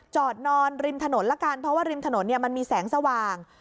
จอดนอนริมถนนละกันเพราะว่าริมถนนเนี่ยมันมีแสงสว่าง